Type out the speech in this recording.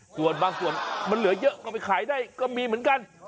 ส่วนบางส่วนมันเหลือเยอะก็ไปขายได้ก็มีเหมือนกัน